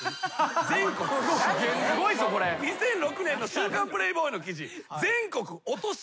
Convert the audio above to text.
２００６年の『週刊プレイボーイ』の記事。